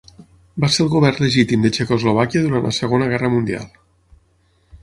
Va ser el govern legítim de Txecoslovàquia durant la Segona Guerra Mundial.